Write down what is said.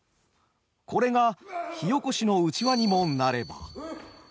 これが火おこしのうちわにもなれば。